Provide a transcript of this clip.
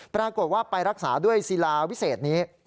ปรากฏว่าไปรักษาด้วยศิลาวิเศษนี้